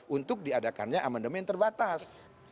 untuk diadakannya amandemen terbatas